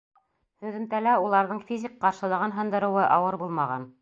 Һөҙөмтәлә уларҙың физик ҡаршылығын һындырыуы ауыр булмаған.